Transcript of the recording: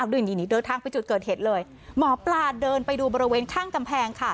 นี่เดินทางไปจุดเกิดเหตุเลยหมอปลาเดินไปดูบริเวณข้างกำแพงค่ะ